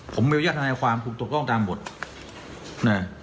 ผมบรรยะถ้านะความถูกตรวจโรงตามหมดน่า